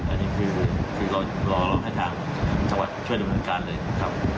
อันนี้คือเรารอให้ทางจังหวัดช่วยดำเนินการเลยครับ